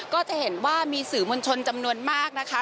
ก็จะเห็นว่ามีสื่อมวลชนจำนวนมากนะคะ